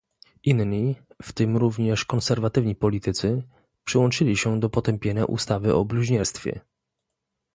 Inni, w tym również konserwatywni politycy, przyłączyli się do potępienia ustawy o bluźnierstwie